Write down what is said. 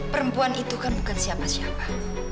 perempuan itu kan bukan siapa siapa